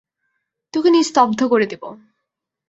তোকে নিস্তব্ধ করে দিব।